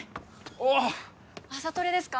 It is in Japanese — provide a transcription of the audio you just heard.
おお朝トレですか？